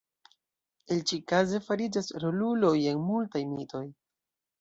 El ĉi-kaze fariĝas roluloj en multaj mitoj.